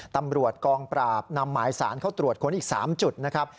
ตำรวจกองปราบนำหมายสารเข้าตรวจค้นอีก๓จุดนะครับ